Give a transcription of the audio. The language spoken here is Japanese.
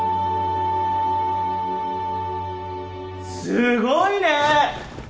すごいね！